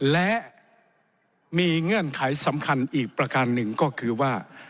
และมีเงื่อนไขสำคัญอีกประการหนึ่งก็คือว่า